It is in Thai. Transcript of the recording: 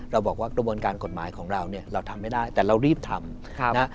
เราบอกว่ากฎหมายของเราเราทำไม่ได้แต่เรารีบทำ